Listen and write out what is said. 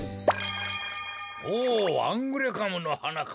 おおアングレカムのはなか。